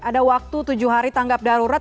ada waktu tujuh hari tanggap darurat